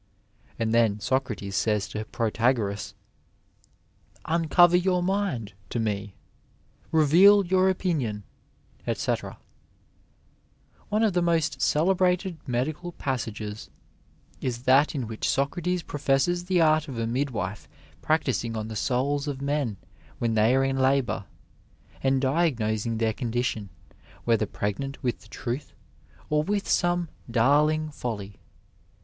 " And then Socrates says to Protagoras, " Uncover your mind to me ; reveal your opinion, etc." ^ One of the most celebrated medical passages is that in which Socrates professes the art of a midwife practising on the souls of men when they are in labour, and diagnosing their condition, whether pregnant with the truth or with with some ''darling folly."